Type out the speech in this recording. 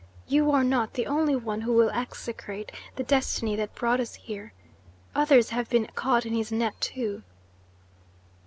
You are not the only one who will execrate the destiny that brought us here. Others have been caught in his net too."